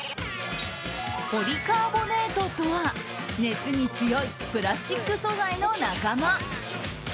ポリカーボネートとは熱に強いプラスチック素材の仲間。